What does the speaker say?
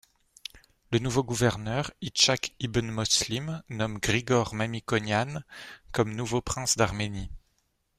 Le nouveau gouverneur, Ichak ibn-Moslim, nomme Grigor Mamikonian comme nouveau prince d'Arménie.